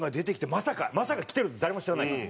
まさかまさか来てるの誰も知らないから。